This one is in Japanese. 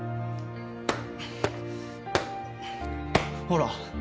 ほら。